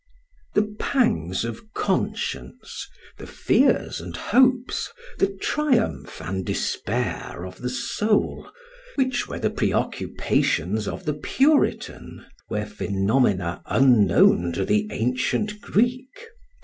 The pangs of conscience, the fears and hopes, the triumph and despair of the soul which were the preoccupations of the Puritan, were phenomena unknown to the ancient Greek.